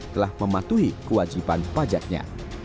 telah mematuhi kewajiban pajaknya